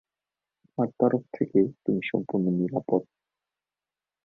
আমার তরফ থেকে তুমি সম্পূর্ণ নিরাপদ।